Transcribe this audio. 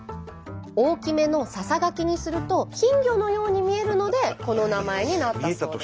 大きめのささがきにすると金魚のように見えるのでこの名前になったそうです。